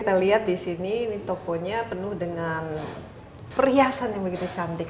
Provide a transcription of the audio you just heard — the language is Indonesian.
kita lihat di sini ini tokonya penuh dengan perhiasan yang begitu cantik